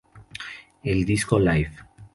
El disco "Life.